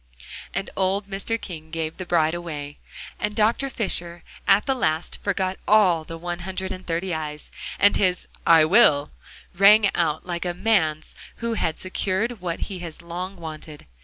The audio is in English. And old Mr. King gave the bride away! And Dr. Fisher at the last forgot all the one hundred and thirty eyes, and his "I will," rang out like a man's who has secured what he has long wanted.